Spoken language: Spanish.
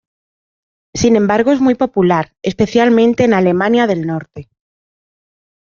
Sin embargo es muy popular, especialmente en Alemania del norte.